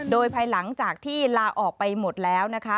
โดยภายหลังจากที่ลาออกไปหมดแล้วนะคะ